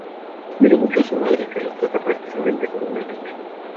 Admira mucho a su madre, que lo trata prácticamente como a una niña.